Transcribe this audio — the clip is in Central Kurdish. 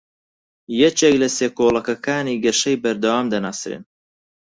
یەکێک لە سێ کۆڵەکەکانی گەشەی بەردەوام دەناسرێت